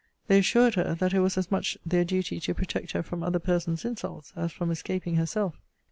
They assured her, that it was as much their duty to protect her from other persons' insults, as from escaping herself.